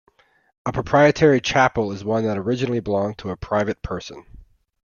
A proprietary chapel is one that originally belonged to a private person.